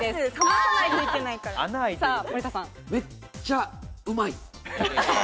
めっちゃうまい。